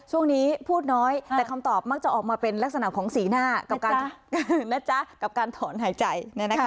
พูดน้อยแต่คำตอบมักจะออกมาเป็นลักษณะของสีหน้ากับการถอนหายใจ